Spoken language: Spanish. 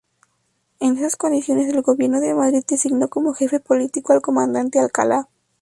En esas condiciones el gobierno de Madrid designó como jefe político al comandante Alcalá.